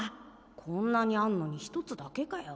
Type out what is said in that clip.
こんなにあんのに１つだけかよ。